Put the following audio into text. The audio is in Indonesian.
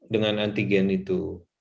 dengan antigen itu